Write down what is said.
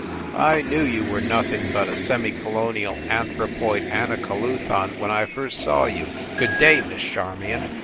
I knew you were nothing but a semi colonial anthropoid anacoluthon when I first saw you! Good day, Miss Charmion.